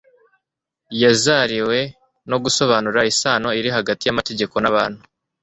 Yazariywe no gusobanura isano iri hagati y'amategeko n'abantu